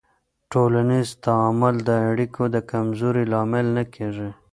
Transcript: ټولنیز تعامل د اړیکو د کمزورۍ لامل نه کېږي.